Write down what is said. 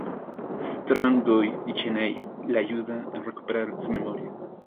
Strong Guy y Cheney la ayudan a recuperar su memoria.